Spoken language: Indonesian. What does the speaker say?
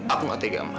aku tidak tega ma